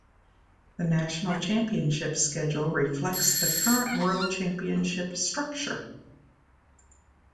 The National Championship schedule reflects the current world championship structure.